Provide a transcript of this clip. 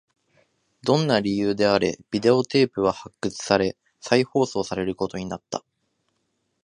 どんな理由であれ、ビデオテープは発掘され、再放送されることになった